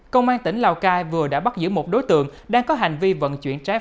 công an tỉnh lào cai vừa đã bắt giữ một đối tượng đang có hành vi vận chuyển trái phép